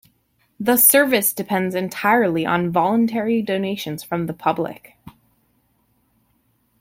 The service depends entirely on voluntary donations from the public.